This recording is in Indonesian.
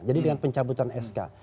jadi dengan pencabutan sk